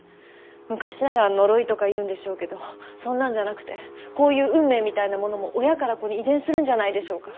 昔なら呪いとか言うんでしょうけどそんなんじゃなくてこういう運命みたいなものも親から子に遺伝するんじゃないでしょうか。